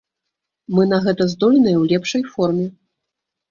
Мы на гэта здольныя ў лепшай форме.